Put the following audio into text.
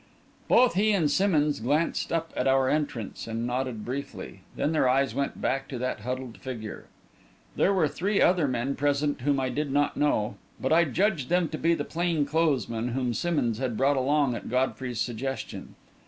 Both he and Simmonds glanced up at our entrance and nodded briefly. Then their eyes went back to that huddled figure. There were three other men present whom I did not know, but I judged them to be the plain clothes men whom Simmonds had brought along at Godfrey's suggestion.